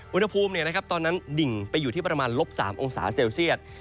วันภูมิเนี่ยนะครับตอนนั้นดิ่งไปอยู่ที่ประมาณลบ๓องศาเซลเซียส